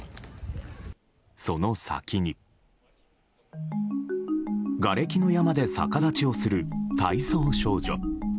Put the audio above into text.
その先に、がれきの山で逆立ちをする体操少女。